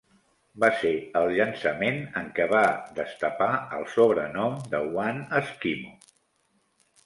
Va ser el llançament en què va destapar el sobrenom de "One eskimO".